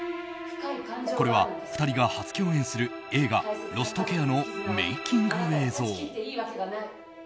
これは２人が初共演する映画「ロストケア」のメイキング映像。